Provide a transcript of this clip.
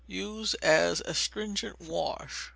Use as astringent wash.